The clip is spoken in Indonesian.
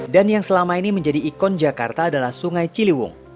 dan yang selama ini menjadi ikon jakarta adalah sungai ciliwung